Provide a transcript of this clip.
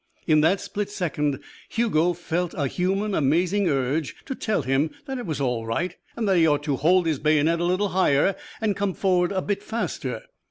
In that split second Hugo felt a human, amazing urge to tell him that it was all right, and that he ought to hold his bayonet a little higher and come forward a bit faster.